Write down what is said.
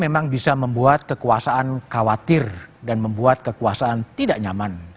memang bisa membuat kekuasaan khawatir dan membuat kekuasaan tidak nyaman